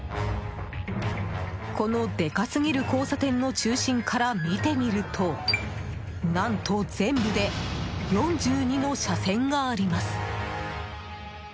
このでかすぎる交差点の中心から見てみると何と全部で４２の車線があります。